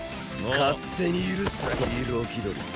勝手に許すなヒーロー気取り。